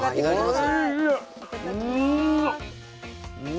いただきます。